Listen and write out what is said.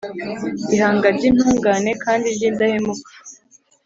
ihanga ry’intungane kandi ry’indahemuka.